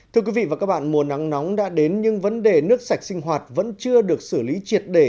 thưa quý vị và các bạn mùa nắng nóng đã đến nhưng vấn đề nước sạch sinh hoạt vẫn chưa được xử lý triệt để